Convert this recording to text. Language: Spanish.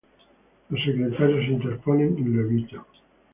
Los secretarios se interponen y lo evitan.